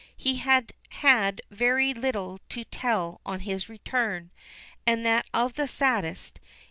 He had had very little to tell on his return, and that of the saddest.